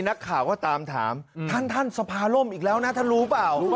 นักข่าวก็ตามถามท่านท่านสภาล่มอีกแล้วนะท่านรู้เปล่า